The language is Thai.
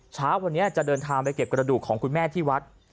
เช้าวันนี้จะเดินทางไปเก็บกระดูกของคุณแม่ที่วัด